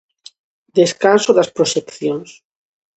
Descanso das proxeccións.